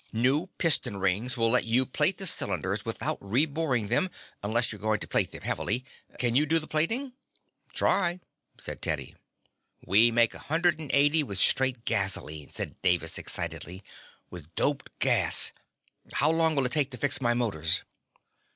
New piston rings will let you plate the cylinders without reboring them unless you're going to plate them heavily. Can you do the plating?" "Try," said Teddy. "We make a hundred and eighty with straight gasoline," said Davis excitedly. "With doped gas How long will it take to fix my motors?"